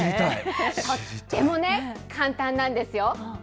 とても簡単なんですよ。